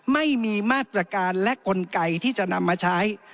ไม่มีมาตรการและกลไกที่จะนำมาใช้